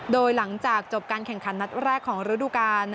โดยหลังจากจบการแข่งขันนัดแรกของฤดูกาล